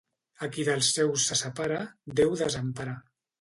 A qui dels seus se separa, Déu desempara.